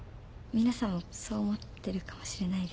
皆さんもそう思ってるかもしれないですけど。